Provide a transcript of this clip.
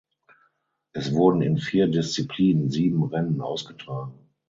Es wurden in vier Disziplinen sieben Rennen ausgetragen.